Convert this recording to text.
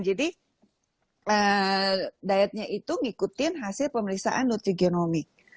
jadi dietnya itu ngikutin hasil pemeriksaan nutrigenomik